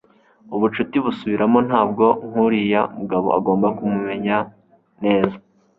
ubucuti busubiramo ntabwo nkuriya mugabo agomba kumumenya neza